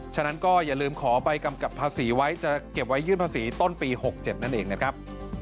ฉะนั้นก็อย่าลืมขอใบกำกับภาษีไว้จะเก็บไว้ยื่นภาษีต้นปี๖๗นั่นเองนะครับ